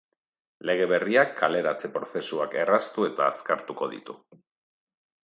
Lege berriak kaleratze-prozesuak erraztu eta azkartuko ditu.